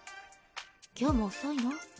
今日も遅いの？